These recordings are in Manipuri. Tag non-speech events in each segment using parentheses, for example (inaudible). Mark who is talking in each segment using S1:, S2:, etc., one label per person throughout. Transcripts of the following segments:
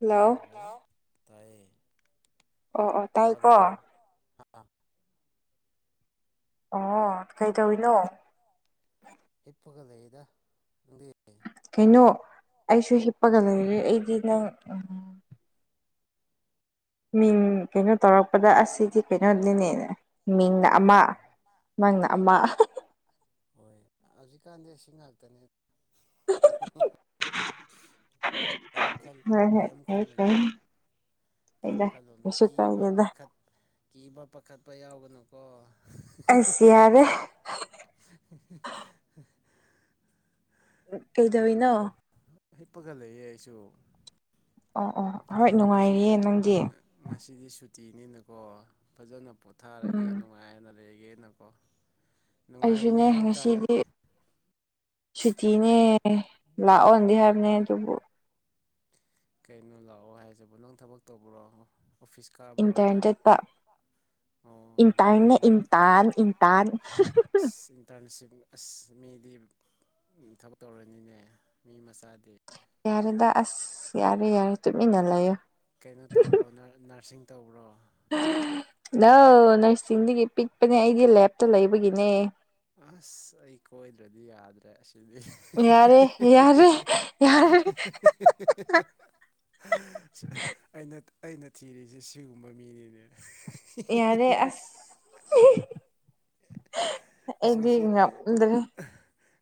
S1: ꯍꯜꯂꯣ
S2: ꯍꯥꯎ ꯇꯥꯏꯌꯦ
S1: ꯑꯣ ꯑꯣ ꯇꯥꯏꯀꯣ
S2: ꯇꯥꯗꯕ꯭ꯔꯣ
S1: ꯑꯣ ꯀꯩꯇꯧꯔꯤꯅꯣ
S2: ꯍꯤꯞꯄꯒ ꯂꯩꯌꯦꯗ ꯅꯪꯗꯤ
S1: ꯀꯩꯅꯣ ꯑꯩꯁꯨ ꯍꯤꯞꯄꯒ ꯂꯩꯔꯦ ꯑꯩꯗꯤ ꯅꯪ ꯃꯤꯡ ꯀꯩꯅꯣ ꯇꯧꯔꯛꯄꯗ ꯑꯁꯤꯗꯤ ꯀꯩꯅꯣꯅꯤꯅꯦ ꯃꯤꯡꯅ ꯑꯃ
S2: ꯑꯥ
S1: ꯅꯪꯅ ꯑꯃ
S2: ꯍꯣꯏ ꯍꯧꯖꯤꯛꯀꯥꯟꯗꯤ ꯑꯁꯤ ꯉꯥꯛꯇꯅꯦ ꯀꯩꯝ ꯈꯜ
S1: ꯍꯣꯏ ꯍꯣꯏ
S2: ꯀꯩꯝ
S1: ꯐꯩ
S2: ꯈꯜꯂꯨꯅꯨ
S1: ꯐꯩ
S2: ꯀꯤꯌꯝ
S1: ꯐꯩꯗ
S2: ꯈꯜꯂꯨꯅꯨ
S1: ꯀꯩꯁꯨ
S2: ꯀꯤꯕ
S1: ꯀꯥꯏꯗꯦꯗ
S2: ꯄꯥꯈꯠ ꯀꯤꯕ ꯄꯥꯈꯠꯄ ꯌꯥꯎꯒꯅꯨꯀꯣ
S1: ꯑꯁ ꯌꯥꯔꯦ
S2: (inaudible)
S1: ꯀꯩꯗꯧꯏꯅꯣ
S2: ꯍꯤꯞꯄꯒ ꯂꯩꯌꯦ ꯑꯩꯁꯨ
S1: ꯑꯣ ꯑꯣ ꯍꯣꯏ
S2: ꯉꯁꯤ
S1: ꯅꯨꯡꯉꯥꯏꯔꯤꯌꯦ ꯅꯪꯗꯤ
S2: ꯉꯁꯤꯗꯤ ꯁꯨꯇꯤꯅꯤꯅꯀꯣ ꯐꯖꯅ ꯄꯣꯊꯥꯔꯒꯦ
S1: ꯎꯝ
S2: ꯅꯨꯡꯉꯥꯏꯅ ꯂꯩꯔꯒꯦꯅ ꯑꯣ
S1: ꯑꯩꯁꯨꯅꯦ ꯉꯁꯤꯗꯤ ꯁꯨꯇꯤꯅꯦ
S2: ꯎꯝ
S1: ꯂꯥꯛꯑꯣꯟꯒꯦ ꯍꯥꯏꯕꯅꯦ ꯑꯗꯨꯕꯨ
S2: ꯀꯩꯅꯣ ꯂꯥꯛꯑꯣ ꯍꯥꯏꯁꯤꯕꯨ ꯅꯪ ꯊꯕꯛ ꯇꯧꯕꯔꯣꯣ ꯑꯣꯐꯤꯁ ꯀ
S1: ꯏꯟꯇꯔꯦꯟ ꯆꯠꯄ
S2: ꯑꯣ
S1: ꯏꯟꯇꯔꯅꯦ
S2: ꯅꯨꯡꯉꯥꯏꯅꯦ
S1: ꯏꯟꯇꯥꯟ ꯏꯟꯇꯥꯟ
S2: ꯑꯁ ꯏꯟꯇꯔꯟꯁꯤꯞ ꯑꯁ ꯃꯤꯗꯤ ꯊꯕꯛ ꯇꯧꯔꯅꯤꯅꯦ ꯃꯤ ꯃꯆꯥꯗꯤ
S1: ꯌꯥꯔꯦꯗ ꯑꯁ ꯌꯥꯔꯦ ꯌꯥꯔꯦ ꯇꯨꯃꯤꯟꯅ ꯂꯩꯣ
S2: ꯀꯩꯅꯣ ꯇꯧꯕ꯭ꯔꯣ ꯅꯔꯁꯤꯡ ꯇꯧꯕ꯭ꯔꯣ
S1: ꯅꯪ ꯅꯔꯁꯤꯡꯗꯒꯤ ꯄꯤꯛꯄꯅꯦ ꯑꯩꯗꯤ ꯂꯦꯞꯇ ꯂꯩꯕꯒꯤꯅꯦ
S2: ꯑꯁ ꯑꯩ ꯀꯣꯏꯗ꯭ꯔꯗꯤ ꯌꯥꯗ꯭ꯔꯦ ꯑꯁꯤꯗꯤ
S1: ꯌꯥꯔꯦ ꯌꯥꯔꯦ ꯌꯥꯔꯦ
S2: (unintelligible) ꯑꯩꯅ ꯑꯩꯅ ꯊꯤꯔꯤꯁꯦ ꯁꯤꯒꯨꯝꯕ ꯃꯤꯅꯤꯅꯦ
S1: ꯌꯥꯔꯦ ꯑꯁ
S2: ꯑꯁ
S1: ꯑꯩꯗꯤ
S2: ꯉꯁꯤ
S1: ꯉꯝꯗ꯭ꯔꯦ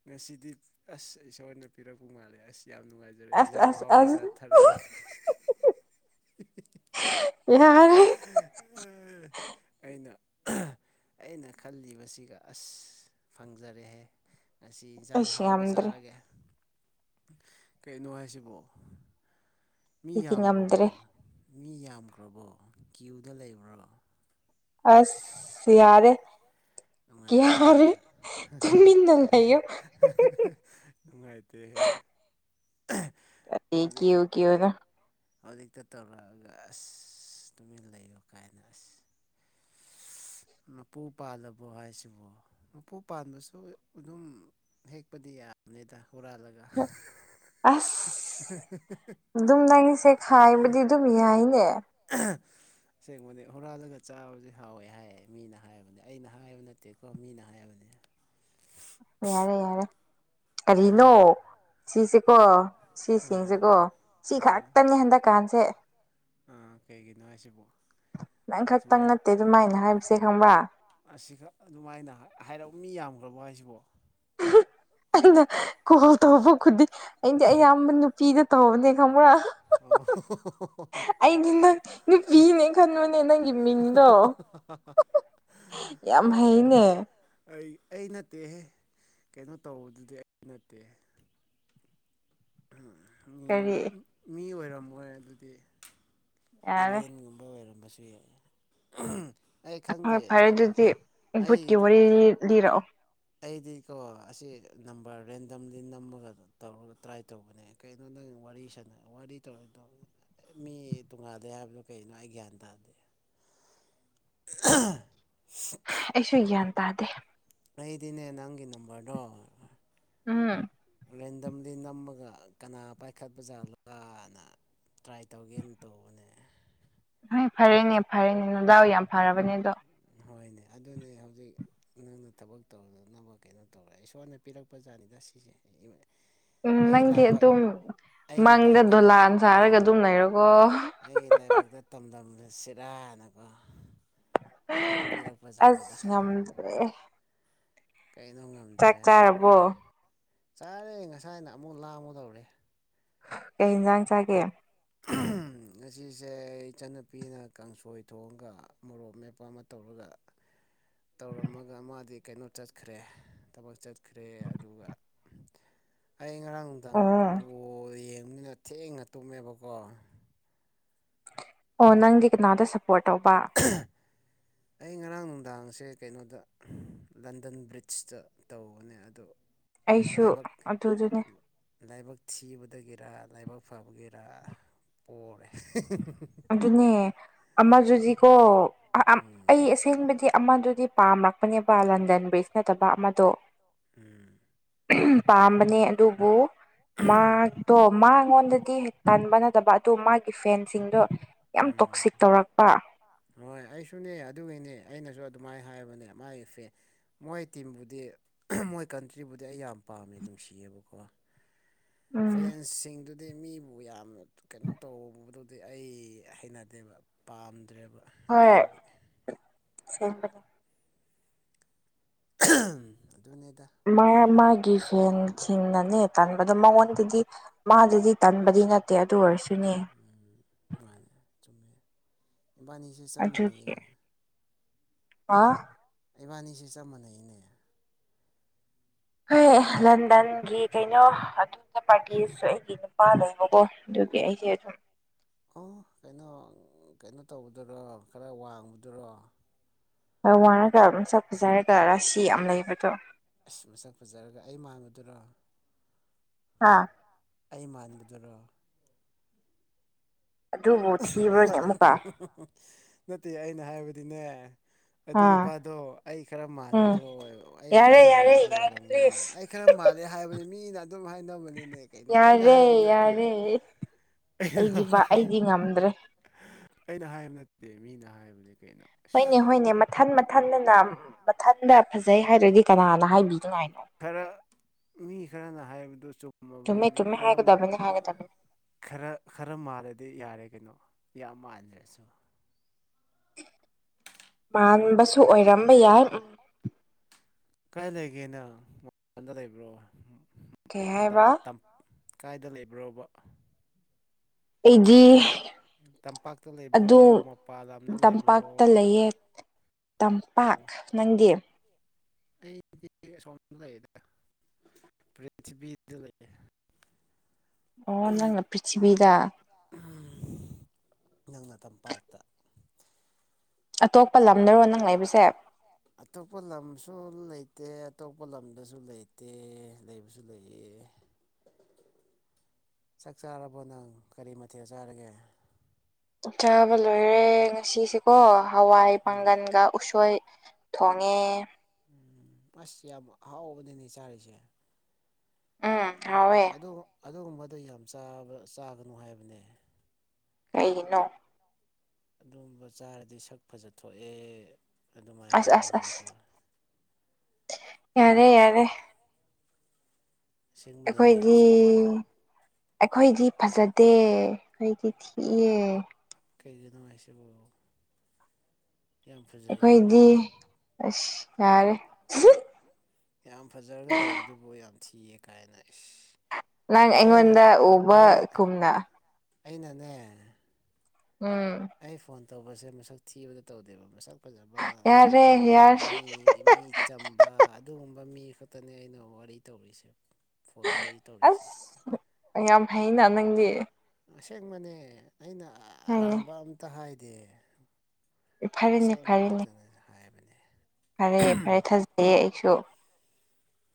S2: ꯉꯁꯤꯗꯤ ꯑꯁ ꯏꯁꯣꯔꯅ ꯄꯤꯔꯛꯄ ꯃꯥꯜꯂꯦ ꯑꯁ ꯌꯥꯝ ꯅꯨꯡꯉꯥꯏꯖꯔꯦ
S1: ꯑꯁ
S2: ꯏꯟꯖꯥꯡ
S1: ꯑꯁ
S2: ꯑꯍꯥꯎꯕ
S1: ꯑꯁ
S2: ꯆꯥꯊꯔꯒꯦ (unintelligible)
S1: ꯌꯥꯔꯦ
S2: (inaudible) ꯑꯩꯅ ꯑꯩꯅ ꯈꯜꯂꯤꯕꯁꯤꯒ ꯑꯁ ꯐꯪꯖꯔꯦꯍꯦ ꯉꯁꯤ ꯏꯟꯁꯥꯡ
S1: ꯑꯩꯁ
S2: ꯍꯥꯎꯕ
S1: ꯉꯝꯗ꯭ꯔꯦ
S2: ꯆꯥꯔꯒꯦ ꯀꯩꯅꯣ ꯍꯥꯏꯁꯤꯕꯨ ꯃꯤ
S1: ꯑꯩꯗꯤ
S2: ꯌꯥꯝꯈ꯭ꯔꯕꯣ
S1: ꯉꯝꯗ꯭ꯔꯦ
S2: ꯃꯤ ꯌꯥꯝꯈ꯭ꯔꯕꯣ ꯀ꯭ꯌꯨꯗ ꯂꯩꯕ꯭ꯔꯣ
S1: ꯑꯁ ꯁꯌꯥꯔꯦ
S2: ꯅꯨꯡꯉꯥꯏꯇꯗ
S1: ꯇꯨꯃꯤꯟꯅ ꯂꯩꯌꯣ
S2: ꯅꯨꯡꯉꯥꯏꯇꯍ
S1: (unintelligible) ꯑꯦ
S2: ꯍꯧꯖꯤ
S1: ꯀꯤꯌꯨ ꯀꯤꯌꯨꯅ
S2: ꯍꯧꯖꯤꯛꯇ ꯇꯧꯔꯛꯑꯒ ꯑꯁ ꯇꯨꯃꯤꯟ ꯂꯩꯌꯨ ꯀꯥꯏꯅ ꯑꯁ
S1: (unintelligible)
S2: ꯃꯄꯨ ꯄꯥꯜꯂꯕ ꯍꯥꯏꯁꯤꯕꯨ ꯃꯄꯨ ꯄꯥꯟꯕꯁꯨ ꯑꯗꯨꯝ ꯍꯦꯛꯄꯗꯤ ꯌꯥꯝꯕꯅꯤꯗ ꯍꯨꯔꯥꯜꯂꯒ
S1: ꯑꯁ ꯑꯗꯨꯝ ꯅꯪꯁꯦ ꯈꯥꯏꯕꯗꯤ ꯑꯗꯨꯝ ꯌꯥꯏꯅꯦ
S2: ꯑ (unintelligible) ꯑꯁꯦꯡꯕꯗꯤ ꯍꯨꯔꯥꯜꯂꯒ ꯆꯥꯕꯁꯦ ꯍꯥꯎꯋꯦ ꯍꯥꯏꯌꯦ ꯃꯤꯅ ꯍꯥꯏꯕꯅꯦ ꯑꯩꯅ ꯍꯥꯏꯕ ꯅꯠꯇꯦꯀꯣ ꯃꯤꯅ ꯍꯥꯏꯔꯕꯅꯦ
S1: ꯌꯥꯔꯦ ꯌꯥꯔꯦ ꯀꯔꯤꯅꯣ ꯁꯤꯁꯦꯀꯣ
S2: ꯑꯥ
S1: ꯁꯤꯁꯤꯡꯁꯦꯀꯣ ꯁꯤ
S2: ꯑꯥ
S1: ꯈꯥꯛꯇꯅꯤ ꯍꯟꯗꯛꯀꯥꯟꯁꯦ
S2: ꯀꯩꯒꯤꯅꯣ ꯍꯥꯏꯁꯤꯕꯨ
S1: ꯅꯪ ꯈꯛꯇꯪ ꯅꯠꯇꯦ ꯑꯗꯨꯃꯥꯏꯅ ꯍꯥꯏꯕꯁꯦ ꯈꯪꯕ꯭ꯔꯥ
S2: ꯑꯁꯤꯒ ꯑꯗꯨꯃꯥꯏꯅ ꯍꯥꯏꯔꯛ ꯃꯤ ꯌꯥꯝꯈ꯭ꯔꯕ ꯍꯥꯏꯁꯤꯕꯣ
S1: ꯑꯩꯅ ꯀꯣꯜ ꯇꯧꯕ ꯈꯨꯗꯤꯡ ꯑꯩꯗꯤ ꯑꯌꯥꯝꯕ ꯅꯨꯄꯤꯗ ꯇꯧꯅꯤ ꯈꯃꯔꯥ
S2: ꯑꯣ
S1: ꯑꯩꯗꯤ ꯅꯪ ꯅꯨꯄꯤꯅꯦ ꯈꯟꯕꯅꯦ ꯅꯪꯒꯤ ꯃꯤꯡꯗꯣ ꯌꯥꯝ ꯍꯩꯅꯦ
S2: ꯑꯩ ꯑꯩ ꯅꯠꯇꯦꯍꯦ ꯀꯩꯅꯣ ꯇꯧꯕꯗꯨꯗꯤ ꯑꯩ ꯅꯠꯇꯦꯍꯦ ꯃꯤ
S1: ꯀꯔꯤ
S2: ꯃꯤ ꯑꯣꯏꯔꯝꯃꯣꯏ ꯑꯗꯨꯗꯤ
S1: ꯌꯥꯔꯦ
S2: ꯑꯦꯂꯦꯟꯒꯨꯝꯕ ꯑꯣꯏꯔꯝꯕꯁꯨ ꯌꯥꯏ ꯑꯩ ꯈꯪꯗꯦ
S1: ꯍꯣꯏ ꯐꯔꯦ ꯑꯗꯨꯗꯤ ꯚꯨꯠꯀꯤ
S2: ꯑꯩꯗꯤ
S1: ꯋꯥꯔꯤ ꯂꯤꯔꯛꯑꯣ
S2: ꯑꯩꯗꯤꯀꯣ ꯑꯁꯤ ꯅꯝꯕꯔ ꯔꯦꯟꯗꯝꯂꯤ ꯅꯝꯃꯒꯗꯣ ꯇꯧꯔꯒ ꯇ꯭ꯔꯥꯏ ꯇꯧꯕꯅꯦ ꯀꯩꯅꯣ ꯅꯪ ꯋꯥꯔꯤ ꯁꯥꯟꯅ ꯋꯥꯔꯤ ꯇꯧꯔ ꯇꯧ ꯃꯤ ꯇꯣꯡꯉꯥꯗꯦ ꯍꯥꯏꯕꯗꯣ ꯀꯒꯤꯅꯣ ꯑꯩ ꯒ꯭ꯌꯥꯟ ꯇꯥꯗꯦ ꯑ
S1: ꯑꯩꯁꯨ ꯒ꯭ꯌꯥꯟ ꯇꯥꯗꯦ
S2: ꯑꯩꯗꯤꯅꯦ ꯅꯪꯒꯤ ꯅꯝꯕꯔꯗꯣ
S1: ꯎꯝ
S2: ꯔꯦꯟꯗꯝꯗꯤ ꯅꯝꯃꯒ ꯀꯅꯥ ꯄꯥꯏꯈꯠꯄ ꯖꯥꯠꯂꯥꯅ ꯇ꯭ꯔꯥꯏ ꯇꯧꯒꯦꯅ ꯇꯧꯕꯅꯦ
S1: ꯍꯣꯏ ꯐꯔꯦꯅꯦ ꯐꯔꯦꯅꯦ ꯅꯗꯥꯎ ꯌꯥꯝ ꯐꯔꯕꯅꯦ ꯑꯗꯣ
S2: ꯍꯣꯏꯅꯦ ꯑꯗꯨꯅꯦ ꯍꯧꯖꯤꯛ ꯅꯪꯅ ꯊꯕꯛ ꯇꯧꯔꯨꯗꯅꯕ ꯀꯩꯅꯣ ꯇꯧꯔꯦ ꯏꯁꯣꯔꯅ ꯄꯤꯔꯛꯄꯖꯥꯠꯅꯤꯗ ꯁꯤꯁꯦ
S1: ꯎꯝ
S2: ꯑꯩꯒꯤ
S1: ꯅꯪꯗꯤ
S2: ꯂꯥꯏꯕꯛ
S1: ꯑꯗꯨꯝ
S2: ꯑꯩꯒꯤ
S1: ꯃꯪꯗ
S2: ꯂꯥꯏꯕꯛ
S1: ꯗꯣꯂꯥꯟ ꯁꯥꯔꯒ ꯑꯗꯨꯝ ꯂꯩꯔꯣꯀꯣ
S2: ꯑꯩꯒꯤ ꯂꯥꯏꯕꯛꯇ ꯇꯝꯗꯝꯁꯦ ꯁꯤꯔꯥꯅꯀꯣ
S1: ꯑꯁ ꯉꯗ꯭ꯔꯦ
S2: ꯀꯩꯅꯣ ꯉꯝꯗ꯭ꯔꯦ ꯍꯥꯏꯁꯤꯕꯨ
S1: ꯆꯥꯔꯕꯣ
S2: ꯑꯣꯏꯌꯦꯦ ꯆꯥꯔꯦ ꯉꯁꯥꯏꯅ ꯑꯃꯨꯛ ꯂꯥꯡꯒꯨꯗꯧꯔꯦ
S1: ꯀꯩ ꯌꯦꯟꯁꯥꯡ ꯆꯥꯒꯦ
S2: ꯉꯁꯤꯁꯦ ꯏꯆꯟꯅꯨꯄꯤꯅ ꯀꯥꯡꯁꯣꯏ ꯊꯣꯡꯒ ꯃꯣꯔꯣꯛ ꯃꯦꯠꯄ ꯑꯃ ꯇꯧꯔꯒ ꯇꯧꯔꯝꯃꯒ ꯃꯥꯗꯤ ꯀꯩꯅꯣ ꯆꯠꯈ꯭ꯔꯦ ꯊꯕꯛ ꯆꯠꯈ꯭ꯔꯦ ꯑꯗꯨꯒ ꯎꯝ ꯑꯩ ꯉꯔꯥꯡ ꯅꯨꯡꯗꯥꯡ
S1: ꯑꯣ
S2: ꯕꯣꯜ ꯌꯦꯡꯕꯅꯤꯅ ꯊꯦꯡꯅ ꯇꯨꯝꯃꯦꯕꯀꯣ
S1: ꯑꯣ ꯅꯪꯗꯤ ꯀꯅꯥꯗ ꯁꯞꯄꯣꯔꯠ ꯇꯧꯕ
S2: ꯑꯩ ꯉꯔꯥꯡ ꯅꯨꯡꯗꯥꯡꯁꯦ ꯀꯩꯅꯣꯗ ꯂꯟꯗꯟ ꯕ꯭ꯔꯤꯖꯇ ꯇꯧꯕꯅꯦ ꯑꯗꯣ
S1: ꯑꯩꯁꯨ
S2: ꯂꯥꯏꯕꯛ
S1: ꯑꯗꯨꯗꯅꯦ
S2: ꯂꯥꯏꯕꯛ ꯊꯤꯕꯗꯒꯤꯔ ꯂꯥꯏꯕꯛ ꯐꯕꯒꯤꯔ ꯄꯣꯔꯦ
S1: ꯑꯗꯨꯅꯦ ꯑꯃꯖꯨꯗꯤꯀꯣ ꯑꯩ ꯑꯁꯦꯡꯕꯗꯤ ꯑꯃꯗꯨꯗꯤ ꯄꯥꯝꯃꯛꯄꯅꯦꯕ ꯂꯟꯗꯟ ꯕ꯭ꯔꯤꯖ ꯅꯠꯇꯕ ꯑꯃꯗꯣ
S2: ꯎꯝ
S1: ꯄꯥꯝꯕꯅꯦ ꯑꯗꯨꯕꯨ ꯃꯥꯇꯣ ꯃꯥꯉꯣꯟꯗꯗꯤ ꯇꯥꯟꯕ ꯅꯠꯇꯕ ꯑꯗꯨ ꯃꯥꯒꯤ ꯐꯦꯟꯁꯤꯡꯗꯣ ꯌꯥꯝ
S2: ꯎꯝ
S1: ꯇꯣꯛꯁꯤꯛ ꯇꯧꯔꯛꯄ
S2: ꯍꯣꯏ ꯑꯩꯁꯨꯅꯦ ꯑꯗꯨꯒꯤꯅꯦ ꯑꯩꯅꯁꯨ ꯑꯗꯨꯃꯥꯏ ꯍꯥꯏꯕꯅꯦ ꯃꯥꯥꯏꯒꯤ ꯐꯦꯟ ꯃꯣꯏ ꯇꯤꯝꯕꯨꯗꯤ ꯃꯣꯏ ꯀꯟꯇ꯭ꯔꯤꯕꯨꯗꯤ ꯑꯩ ꯌꯥꯝ ꯄꯥꯝꯃꯦ ꯅꯨꯡꯁꯤꯌꯦꯕꯀꯣ
S1: ꯎꯝ
S2: ꯐꯦꯟꯁꯁꯤꯡꯗꯨ ꯗꯤ ꯃꯤꯕꯨ ꯌꯥꯝꯅ ꯀꯩꯅꯣ ꯇꯧꯕꯗꯨꯗꯤ ꯑꯩ ꯍꯩꯅꯗꯦꯕ ꯄꯥꯝꯗ꯭ꯔꯦꯕ ꯑꯗꯨꯒꯤ
S1: ꯍꯣꯏ (unintelligible)
S2: ꯑꯗꯨꯅꯦꯗ
S1: ꯃꯥ ꯃꯥꯒꯤ ꯐꯦꯟꯁꯤꯡꯅꯅꯦ ꯇꯟꯕꯗꯣ ꯃꯉꯣꯟꯗꯒꯤ ꯃꯥꯗꯗꯤ ꯇꯟꯕꯗꯤ ꯅꯠꯇꯦ ꯑꯗꯨ ꯑꯣꯏꯔꯁꯨꯅꯦ
S2: ꯎꯝ ꯃꯥꯅꯦ ꯆꯨꯝꯃꯦ ꯏꯕꯥꯏꯅꯤ
S1: ꯑꯗꯨꯒꯤ ꯍꯥ
S2: ꯏꯕꯥꯅꯤꯁꯦ ꯆꯞ ꯃꯥꯟꯅꯩꯅꯦ
S1: ꯍꯣꯏ ꯂꯟꯗꯟꯒꯤ ꯀꯩꯅꯣ ꯑꯇꯣꯟꯕ ꯄꯥꯔꯇꯤꯁꯨ ꯑꯩꯒꯤꯅꯤ ꯄꯥꯅꯩꯕꯀꯣ ꯑꯗꯨꯒꯤ ꯑꯩꯁꯦ ꯑꯗꯨꯝ
S2: ꯑꯣ ꯀꯩꯅꯣ ꯀꯩꯅꯣ ꯇꯧꯕꯗꯨꯔꯣ ꯈꯔ ꯋꯥꯡꯕꯗꯨꯔꯣ
S1: ꯈꯔ ꯋꯥꯔꯒ ꯃꯁꯛ ꯐꯖꯔꯒ ꯔꯥꯁꯤ ꯌꯥꯝ ꯂꯩꯕꯗꯣ
S2: ꯑꯁ ꯃꯁꯛ ꯐꯖꯔꯒ ꯑꯩ ꯃꯥꯟꯕꯗꯨꯔꯣ
S1: ꯍꯥꯥ
S2: ꯑꯩ ꯃꯥꯟꯕꯗꯨꯔꯣ
S1: ꯑꯗꯨꯕꯨ ꯊꯤꯕ꯭ꯔꯣꯅꯦ ꯑꯃꯨꯛꯀ
S2: ꯅꯠꯇꯦ ꯑꯩꯅ ꯍꯥꯏꯕꯗꯤꯅꯦ ꯑꯗꯨ
S1: ꯑꯥ
S2: ꯅꯨꯄꯥꯗꯣ ꯑꯩ ꯈꯔ
S1: ꯎꯝ
S2: ꯃꯥꯟꯕꯗꯨꯔꯣ ꯑꯩ
S1: ꯌꯥꯔꯦ
S2: ꯈꯔ
S1: ꯌꯥꯔꯦ
S2: ꯃꯥꯟꯕꯗꯣ
S1: ꯌꯥꯔꯦ
S2: ꯑꯣꯏꯔꯝꯒꯅꯤ
S1: ꯄ꯭ꯂꯤꯁ
S2: ꯑꯩ ꯈꯔ ꯃꯥꯜꯂꯦ ꯍꯥꯏꯕꯅꯤ ꯃꯤꯅ ꯑꯗꯨꯝ ꯍꯥꯏꯅ ꯝꯕꯅꯤꯅꯦ ꯀꯩꯅꯣ ꯑꯩꯅ ꯍꯥꯏꯕ
S1: ꯌꯥꯔꯦ
S2: ꯅꯠꯇꯦ
S1: ꯌꯥꯔꯦ ꯑꯩꯗꯤ ꯕꯥ ꯑꯩꯗꯤ ꯉꯝꯗ꯭ꯔꯦ
S2: ꯑꯩꯅ ꯍꯥꯏꯕ ꯅꯠꯇꯦ ꯃꯤꯅ ꯍꯥꯏꯕꯅꯦ ꯀꯩꯅꯣ
S1: ꯍꯣꯏꯅꯦ
S2: ꯑꯁ
S1: ꯍꯣꯏꯅꯦ ꯃꯊꯟ ꯃꯊꯟꯗꯅ ꯃꯊꯟꯗ ꯐꯖꯩ ꯍꯥꯏꯔ꯭ꯔꯗꯤ ꯀꯅꯥꯅ ꯍꯥꯏꯕꯤꯗꯉꯥꯏꯅꯣ
S2: ꯈꯔ ꯃꯤ ꯈꯔꯅ ꯍꯥꯏꯕꯗꯨ ꯆꯨꯝꯃꯕꯅꯤꯅꯦ ꯈꯔ
S1: ꯊꯝꯃꯦ
S2: ꯈꯔ ꯈꯔ ꯃꯥꯜꯂꯗꯤ ꯌꯥꯔꯦ ꯀꯩꯅꯣ ꯌꯥꯝ ꯃꯥꯜꯂꯦꯁꯨ
S1: ꯃꯥꯟꯕꯁꯨ ꯑꯣꯏꯔꯝꯕ ꯌꯥꯏ
S2: ꯀꯥꯏ ꯂꯩꯒꯦꯅ ꯃꯄꯜꯗ ꯂꯩꯕ꯭ꯔꯣ
S1: ꯀꯩ
S2: ꯗ
S1: ꯍꯥꯏꯕ
S2: ꯇꯝ ꯀꯥꯏꯗ ꯂꯩꯕ꯭ꯔꯣꯕ
S1: ꯑꯩꯗꯤ
S2: ꯇꯝꯄꯥꯛꯇ ꯂꯩꯕ꯭ꯔꯣ
S1: ꯑꯗꯨ
S2: ꯃꯄꯥꯟ ꯂꯝꯗ ꯂꯩꯕ꯭ꯔꯣ
S1: ꯇꯝꯄꯥꯛꯇ ꯂꯩꯌꯦ ꯇꯝꯄꯥꯛ
S2: ꯑꯣ
S1: ꯅꯪꯗꯤ
S2: ꯑꯩꯗꯤ ꯑꯁꯣꯝꯗ ꯂꯩꯔꯦꯗ ꯄ꯭ꯔꯤꯊꯤꯕꯤꯗ ꯂꯩꯌꯦ
S1: ꯑꯣ ꯅꯪꯅ ꯄ꯭ꯔꯤꯊꯤꯕꯤꯗ
S2: ꯎꯝ ꯅꯪꯅ ꯇꯝꯄꯥꯛꯇ
S1: ꯑꯇꯣꯞꯄ ꯂꯝꯗꯔꯣ ꯅꯪ ꯂꯩꯕꯁꯦ
S2: ꯑꯇꯣꯞꯄ ꯂꯝꯁꯨ ꯂꯩꯇꯦ ꯑꯇꯣꯞꯄ ꯂꯝꯗꯁꯨ ꯂꯩꯇꯦ ꯂꯩꯕꯁꯨ ꯂꯩꯌꯦ ꯆꯥꯛ ꯆꯥꯔꯕꯣ ꯅꯪ ꯀꯔꯤ ꯃꯊꯦꯜ ꯆꯥꯔꯒꯦ
S1: ꯆꯥꯕ ꯂꯣꯏꯔꯦ ꯉꯁꯤꯁꯤꯀꯣ ꯍꯋꯥꯏ
S2: ꯎꯝ
S1: ꯄꯥꯡꯒꯟꯒ ꯎꯁꯣꯏ ꯊꯣꯡꯉꯦ
S2: ꯎꯝ ꯑꯁ ꯌꯥꯝ ꯑꯍꯥꯎꯕꯅꯤꯅꯦ ꯆꯥꯔꯤꯁꯦ
S1: ꯎꯝ ꯍꯥꯎꯋꯦ
S2: ꯑꯗꯨꯒꯨꯝꯕꯗꯨ ꯌꯥꯝ ꯆꯥꯒꯅꯨ ꯍꯥꯏꯕꯅꯦ
S1: ꯀꯩꯩꯅꯣ
S2: ꯑꯗꯨꯒꯝꯕ ꯆꯥꯔꯗꯤ ꯁꯛ ꯐꯖ ꯊꯣꯛꯑꯦ ꯑꯗꯨꯃꯥꯏꯅ
S1: ꯑꯁ ꯑꯁ
S2: ꯍꯥꯏꯕꯒꯨꯝ
S1: ꯑꯁ
S2: ꯇꯧꯋꯦ
S1: ꯌꯥꯔꯦ ꯌꯥꯔꯦ
S2: ꯁꯤꯡꯕꯅꯦꯅꯦ
S1: ꯑꯩꯈꯣꯏꯗꯤ
S2: ꯑꯁꯤꯁ
S1: ꯑꯩꯈꯣꯏꯗꯤ ꯐꯖꯗꯦ ꯑꯩꯈꯣꯏꯗꯤ ꯊꯤꯑꯦ
S2: ꯀꯩꯒꯤ ꯅꯨꯡꯉꯥꯏꯁꯤꯕꯣꯣ ꯑꯗꯨꯕꯨ
S1: ꯑꯩꯈꯣꯏꯗꯤ ꯑꯁ ꯌꯥꯔꯦ
S2: ꯌꯥꯝ ꯐꯖꯔꯒ ꯂꯩꯕꯗꯨꯕꯨ ꯌꯥꯝ ꯊꯤꯌꯦ ꯀꯥꯏꯅ
S1: ꯅꯪ
S2: ꯑꯩꯅ
S1: ꯑꯩꯉꯣꯟꯗ ꯎꯕ
S2: ꯑꯩꯅ
S1: ꯀꯨꯝꯅ
S2: ꯑꯩꯅꯅꯦ
S1: ꯎꯝ
S2: ꯑꯩ ꯐꯣꯟ ꯇꯧꯕꯁꯦ ꯃꯁꯛ ꯊꯤꯕꯗ ꯇꯧꯗꯦꯕ ꯃꯁꯛ ꯐꯖꯕꯒ ꯃꯤ
S1: ꯌꯥꯔꯦ
S2: ꯐꯕ
S1: ꯌꯥꯔꯦ
S2: ꯃꯤ ꯃꯤ ꯆꯝꯕ ꯑꯗꯨꯒꯨꯝꯕ ꯃꯤ ꯈꯛꯇꯅꯦ ꯑꯩꯅ ꯋꯥꯔꯤ ꯇꯧꯔꯤꯁꯦ ꯐꯣꯟ ꯋꯥꯔꯤ ꯇꯧꯔꯤꯁꯦ
S1: ꯑꯁ ꯌꯥꯝ ꯍꯩꯅ ꯅꯪꯗꯤ
S2: ꯑꯁꯦꯡꯕꯅꯦ ꯑꯩꯅ
S1: ꯍꯣꯏꯅꯦ
S2: ꯑꯔꯥꯟꯕ ꯑꯝꯇ ꯍꯥꯏꯗꯦ
S1: ꯐꯔꯦꯅꯦ
S2: ꯑꯁꯦꯡꯕ
S1: ꯐꯔꯦꯅꯦ
S2: ꯉꯥꯛꯇꯅ ꯍꯥꯏꯕꯅꯤ
S1: ꯐꯔꯦ ꯐꯔꯦ ꯊꯥꯖꯩꯌꯦ ꯑꯩꯁꯨ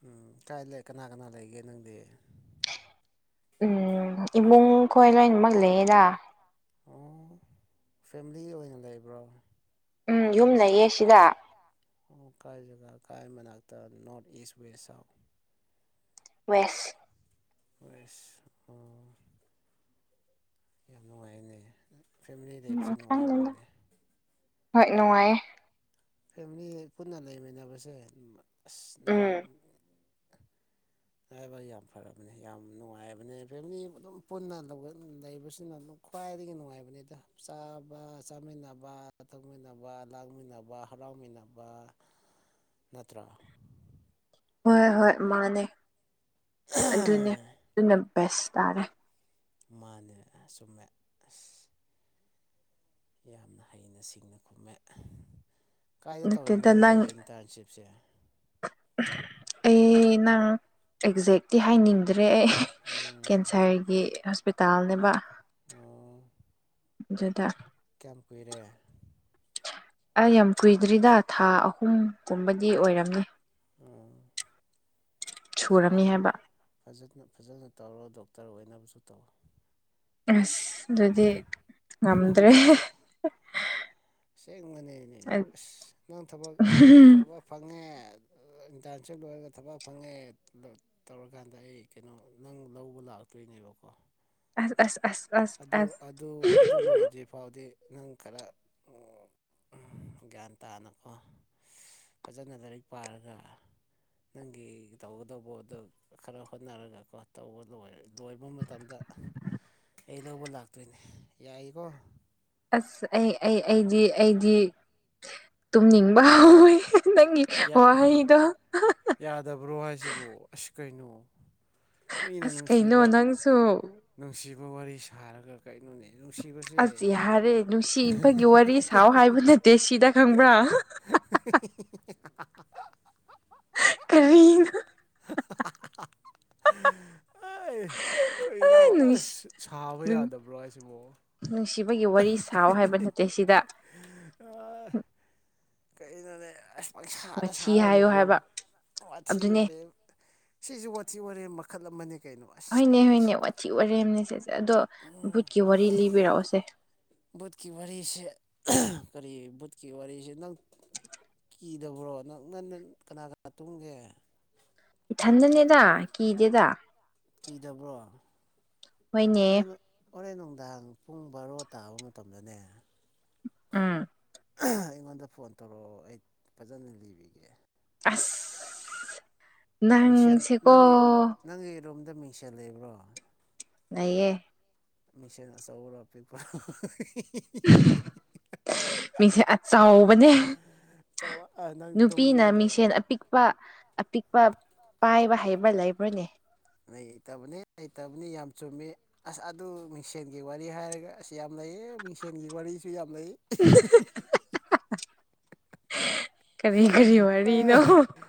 S2: ꯎꯝ ꯀꯥꯏ ꯂꯩ ꯀꯅꯥ ꯀꯅꯥ ꯂꯩꯒꯦ ꯅꯪꯗꯤ
S1: ꯎꯝ ꯏꯃꯨꯡ ꯈꯣꯏ ꯂꯣꯏꯅꯃꯛ ꯂꯩꯌꯦꯗ
S2: ꯑꯣ ꯐꯦꯃꯤꯂꯤ ꯑꯣꯏꯅ ꯂꯩꯕ꯭ꯔꯣ
S1: ꯎꯝ ꯌꯨꯝꯗ ꯌꯦ ꯁꯤꯗ
S2: ꯑꯣ ꯀꯥꯏ ꯖꯒꯥ ꯀꯥꯏ ꯃꯅꯥꯛꯇ north east west south
S1: west
S2: ꯐꯁ ꯑꯥ ꯌꯥꯝ ꯅꯨꯡꯉꯥꯏꯅꯦ ꯐꯦꯃꯤꯂꯤ ꯂꯩꯁꯦ
S1: ꯎꯝ ꯈꯪꯗꯦꯗ
S2: ꯅꯨꯡꯉꯥꯏꯕꯅꯤꯅꯦ
S1: ꯍꯣꯏ ꯅꯨꯡꯉꯥꯏꯌꯦ
S2: ꯐꯦꯃꯤꯂꯤ ꯄꯨꯟꯅ ꯂꯩꯃꯤꯟꯅꯕꯁꯦ ꯎꯝ ꯑꯁ ꯅꯪ
S1: ꯎꯝ
S2: ꯍꯥꯏꯕ ꯌꯥꯝ ꯐꯔꯕꯅꯦ ꯌꯥꯝ ꯅꯨꯡꯉꯥꯏꯕꯅꯤ ꯐꯦꯃꯤꯂꯤ ꯑꯗꯨꯝ ꯄꯨꯟꯅ ꯂꯧꯔ ꯂꯩꯕꯁꯤꯅ ꯑꯗꯨꯝ ꯈ꯭ꯋꯥꯏꯗꯒꯤ ꯅꯨꯡꯉꯥꯏꯕꯅꯤꯗ ꯆꯥꯕ ꯆꯥꯃꯤꯟꯅꯕ ꯊꯛꯃꯤꯟꯅꯕ ꯂꯥꯡꯃꯤꯟꯅꯕ ꯍꯔꯥꯎꯃꯤꯟꯅꯕ
S1: (unintelligible)
S2: ꯅꯠꯇ꯭ꯔꯥ
S1: ꯍꯣꯏ ꯍꯣꯏ ꯃꯥꯅꯦ ꯑꯗꯨꯅꯦ ꯑꯗꯨꯅ ꯕꯦꯁ ꯇꯥꯔꯦ
S2: ꯃꯥꯅꯦ ꯆꯨꯝꯃꯦ ꯑꯁ ꯌꯥꯝꯅ ꯍꯩꯅ ꯁꯤꯡꯅ ꯈꯨꯝꯃꯦ ꯀꯥꯏꯗ ꯇꯧꯌꯤꯅꯣ
S1: ꯅꯠꯇꯦꯗ ꯅꯪ
S2: ꯅꯪꯒꯤ ꯏꯟꯇꯔꯟꯁꯤꯞꯁꯦ
S1: ꯎꯝ ꯑꯩ ꯅꯪ ꯑꯦꯛꯖꯦꯛꯇꯤ ꯍꯥꯏꯅꯤꯡ ꯑꯗꯨꯗꯩ ꯑꯩ
S2: ꯎꯝ
S1: ꯀꯦꯟꯁꯔꯒꯤ ꯍꯣꯁꯄꯤꯇꯥꯜꯅꯦꯕ
S2: ꯑꯣ
S1: ꯖꯗ
S2: ꯀꯌꯥꯝ ꯀꯨꯏꯔꯦ
S1: ꯑꯩ ꯌꯥꯝ ꯀꯨꯏꯗ꯭ꯔꯤꯗ ꯊꯥ ꯑꯍꯨꯝꯒꯨꯝꯕꯗꯤ ꯑꯣꯏꯔꯝꯅꯤ
S2: ꯎꯝ ꯁꯤꯀ
S1: ꯁꯨꯔꯝꯅꯤ ꯍꯥꯏꯕ
S2: ꯐꯖꯅ ꯐꯖꯅ ꯇꯧꯔꯣ ꯗꯣꯛꯇꯔ ꯑꯣꯏꯅꯕꯁꯨ ꯇꯧꯋ
S1: ꯑꯁ ꯑꯗꯨꯗꯤ ꯉꯝꯗ꯭ꯔꯦ
S2: ꯆꯦꯡ ꯃꯅꯦꯅꯦ ꯑꯁ ꯅꯪ ꯊꯕꯛ ꯊꯕ ꯐꯪꯉꯦ ꯏꯟꯇꯔꯟꯁꯤꯞ ꯂꯣꯏꯔꯒ ꯊꯕꯛ ꯐꯪꯉꯦ ꯇꯧꯔꯀꯥꯟꯗ ꯑꯩ ꯀꯩꯅꯣ ꯅꯪ ꯂꯧꯕ ꯂꯥꯛꯇꯣꯏꯅꯦꯕꯀꯣ
S1: ꯑꯁ ꯑꯁ ꯑꯁ ꯑꯁ
S2: ꯑꯗꯨ ꯑꯗꯨ
S1: ꯑꯁ
S2: ꯑꯗꯨ ꯂꯣꯏꯗ꯭ꯔꯤ ꯐꯥꯎꯗꯤ ꯅꯪ ꯈꯔ ꯎꯝ ꯎꯝ ꯒ꯭ꯌꯥꯟ ꯇꯥꯅꯀꯣ ꯐꯖꯅ ꯂꯥꯏꯔꯤꯛ ꯄꯥꯔꯒ ꯅꯪꯒꯤ ꯇꯧꯒꯗꯧꯕꯗꯣ ꯈꯔ ꯍꯣꯠꯅꯔꯒ ꯀꯣ ꯇꯧꯕ ꯂꯣꯏ ꯂꯣꯏꯕ ꯃ ꯇꯝꯗ ꯑꯩ ꯂꯧꯕ ꯂꯥꯛꯇꯣꯏꯅꯦ ꯌꯥꯏꯢꯀꯣ
S1: ꯑꯁ ꯑꯩ ꯑꯩ ꯑꯩꯗꯤ ꯑꯩꯗꯤ ꯇꯨꯝꯅꯤꯡꯕ ꯍꯣꯢ ꯅꯪꯒꯤ ꯋꯥꯍꯩꯗꯣ
S2: ꯌꯥꯗꯕ꯭ꯔꯣ ꯍꯥꯏꯁꯤꯕꯨ ꯑꯁ ꯀꯩꯅꯣ ꯃꯤꯅ
S1: ꯑꯁ ꯀꯩꯅꯣ
S2: ꯅꯨꯡꯁꯤꯕ
S1: ꯅꯪꯁꯨ
S2: ꯅꯨꯡꯁꯤꯕ ꯋꯥꯔꯤ ꯁꯥꯔꯒ ꯀꯩꯅꯣꯅꯦ
S1: ꯑꯁ
S2: ꯅꯨꯡꯁꯤꯕꯁꯦ
S1: ꯌꯥꯔꯦ
S2: (unintelligible)
S1: ꯅꯨꯡꯁꯤꯕꯒꯤ ꯋꯥꯔꯤ ꯁꯥꯎ ꯍꯥꯏꯕ ꯅꯠꯇꯦ ꯁꯤꯗ ꯈꯪꯕ꯭ꯔꯥ
S2: (unintelligible)
S1: ꯀꯔꯤꯅꯣ
S2: (unintelligible) ꯑꯥꯢ ꯀꯩꯅꯣ
S1: ꯅꯨꯡꯁꯤ
S2: ꯑꯁ ꯁꯥꯕ ꯌꯥꯗꯕ꯭ꯔꯣ ꯍꯥꯏꯁꯤꯕꯣ
S1: ꯅꯨꯡꯁꯤꯕꯒꯤ ꯋꯥꯔꯤ ꯁꯥꯎ ꯍꯥꯏꯕ ꯅꯠꯇꯦ ꯁꯤꯗ
S2: ꯑ (unintelligible) ꯀꯩꯅꯣꯅꯦ ꯑꯁ ꯄꯪꯁꯗ
S1: ꯋꯥꯊꯤ
S2: ꯁꯥꯔ
S1: ꯍꯥꯏꯌꯨ
S2: ꯂꯣꯏꯔꯒ
S1: ꯍꯥꯏꯕ
S2: ꯋꯥꯊꯤ
S1: ꯑꯗꯨꯅꯦ
S2: ꯋꯥꯔꯦꯝ ꯁꯤꯖꯨ ꯋꯥꯊꯤ ꯋꯥꯔꯦꯝ ꯃꯈꯜ ꯑꯃꯅꯦ
S1: ꯍꯣꯏꯅꯦ ꯍꯣꯏꯅꯦ ꯋꯥꯊꯤ ꯋꯥꯔꯦꯝꯅꯦ ꯁꯦꯁꯦ ꯑꯗꯣ ꯚꯨꯠꯀꯤ ꯋꯥꯔꯤ ꯂꯤꯕꯤꯔꯛꯑꯣꯁꯦ
S2: ꯨꯕꯨꯠꯀꯤ ꯋꯥꯔꯤꯁꯦ ꯑꯍꯝ ꯀꯔꯤ ꯕꯨꯠꯀꯤ ꯋꯥꯔꯤꯖꯦ ꯅꯪ ꯀꯤꯗꯕ꯭ꯔꯣ ꯅꯪ ꯅꯟꯅꯟ ꯀꯅꯥ ꯀꯅꯥ ꯇꯨꯝꯒꯦ
S1: ꯏꯊꯟꯗꯅꯦꯗ ꯀꯤꯗꯦꯗ
S2: ꯀꯤꯗꯕ꯭ꯔꯣ
S1: ꯍꯣꯏꯅꯦ
S2: ꯐꯔꯦꯗꯣ ꯍꯣꯔꯦꯟ ꯅꯨꯡꯗꯥꯡ ꯄꯨꯡ ꯚꯥꯔꯣ ꯇꯥꯕ ꯃꯇꯝꯗꯅꯦ
S1: ꯎꯝ
S2: ꯑꯍꯡ ꯑꯩꯉꯣꯟꯗ ꯐꯣꯟ ꯇꯧꯔꯛꯑꯣ ꯑꯩ ꯐꯖꯅ ꯂꯤꯕꯤꯒꯦ
S1: ꯑꯁꯁ
S2: ꯃꯤꯡꯁꯦꯡ ꯅꯪꯒꯤ ꯅꯪꯒꯤ ꯔꯨꯝꯗ ꯃꯤꯡꯁꯦꯜ ꯂꯩꯕ꯭ꯔꯣ
S1: ꯂꯩꯌꯦ
S2: ꯃꯤꯁꯦꯟ ꯑꯆꯧꯕꯔꯣ ꯑꯄꯤꯛꯄꯔꯣ ꯍꯍꯨꯍꯨꯍꯨꯍꯨꯍꯤꯍꯤꯍꯤ
S1: (unintelligible) ꯃꯤꯡꯁꯦꯟ ꯑꯆꯥꯎꯕꯅꯦ
S2: ꯑꯆꯧꯕ ꯅꯪ
S1: ꯅꯨꯄꯤꯅ
S2: ꯇꯨꯝꯒꯗꯧꯕ
S1: ꯃꯤꯡꯁꯦꯟ ꯑꯄꯤꯛ ꯄ ꯑꯄꯤꯛꯄ ꯄꯥꯏꯕ ꯍꯩꯕ ꯂꯩꯕ꯭ꯔꯣꯅꯦ
S2: ꯂꯩꯇꯕꯅꯦ ꯂꯩꯇꯕꯅꯦ ꯌꯥꯝ ꯆꯨꯝꯃꯤ꯫ ꯑꯁ ꯑꯗꯨ ꯃꯤꯡꯁꯦꯟꯒꯤ ꯋꯥꯔꯤ ꯍꯥꯏꯔꯒ ꯑꯁ ꯌꯥꯝ ꯂꯩꯌꯦ ꯃꯤꯡꯁꯦꯟꯒꯤ ꯋꯥꯔꯤꯁꯨ ꯌꯥꯝ ꯂꯩ꯫
S1: ꯀꯔꯤ ꯀꯔꯤ ꯋꯥꯔꯤꯅꯣ
S2: (unintelligible)